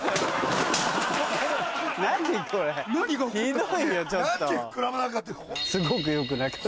何これひどいよちょっと。